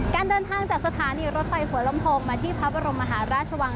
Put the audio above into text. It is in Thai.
การเดินทางจากสถานีรถไฟหัวลำโพงมาที่พระบรมมหาราชวัง